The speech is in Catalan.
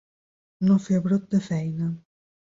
No fer brot de feina.